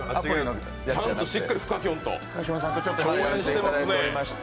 ちゃんとしっかり深キョンと共演してますね。